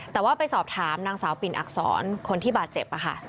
แต่ว่าไปสอบถามนางสาวปิ่นอักษรคนที่บาดเจ็บ